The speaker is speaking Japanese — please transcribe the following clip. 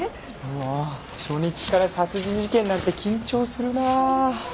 うわあ初日から殺人事件なんて緊張するなあ。